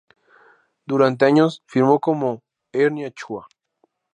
Durante años firmó como Ernie Chua.